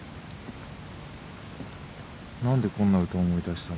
何でこんな歌思い出したんだろう。